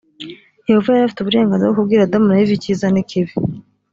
yehova yari afite uburenganzira bwo kubwira adamu na eva icyiza n ikibi